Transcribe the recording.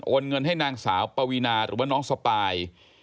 โอนเงินให้นางสาวปวินาอุบันน้องสปาย